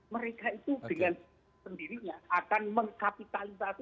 mereka itu dengan sendirinya akan mengkapitalisasi